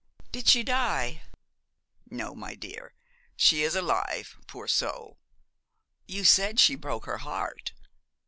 Did she die?' 'No, my dear, she is alive poor soul!' 'You said she broke her heart.'